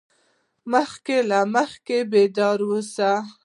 مخکې له مخکې بیدار اوسه.